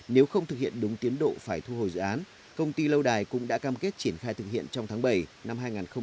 nếu không thực hiện đúng tiến độ phải thu hồi dự án công ty lâu đài cũng đã cam kết triển khai thực hiện trong tháng bảy năm hai nghìn hai mươi